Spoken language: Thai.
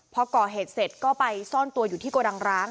พอก่อเหตุเสร็จก็ไปซ่อนตัวอยู่ที่โกดังร้าง